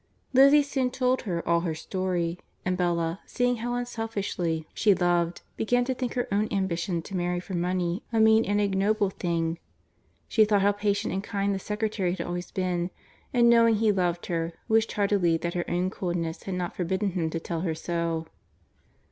Lizzie soon told her all her story, and Bella, seeing how unselfishly she loved, began to think her own ambition to marry for money a mean and ignoble thing. She thought how patient and kind the secretary had always been, and, knowing he loved her, wished heartily that her own coldness had not forbidden him to tell her so.